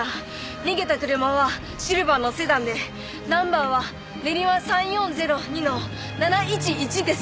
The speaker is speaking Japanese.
逃げた車はシルバーのセダンでナンバーは練馬３４０「に」の７１１です。